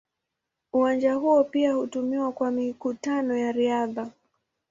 Uwanja huo pia hutumiwa kwa mikutano ya riadha.